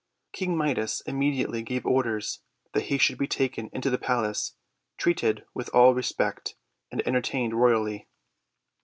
King Midas immediately gave orders that he should be taken into the palace, treated with all respect, and entertained royally.